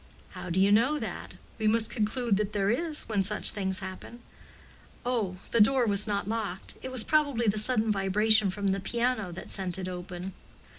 "How do you know that? We must conclude that there is, when such things happen." "Oh, the door was not locked; it was probably the sudden vibration from the piano that sent it open."